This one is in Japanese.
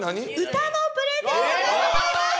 歌のプレゼントがございます！